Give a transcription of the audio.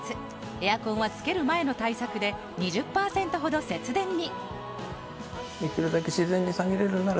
エアコンはつける前の対策で２０％程、節電に。